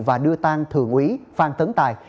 và đưa tan thường úy phan tấn tài